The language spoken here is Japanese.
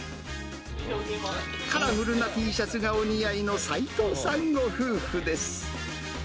カラフルなＴシャツがお似合いの齊藤さんご夫婦です。